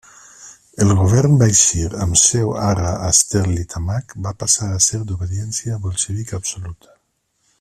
El govern baixkir, amb seu ara a Sterlitamak, va passar a ser d'obediència bolxevic absoluta.